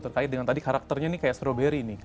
terkait dengan tadi karakternya nih kayak strawberry nih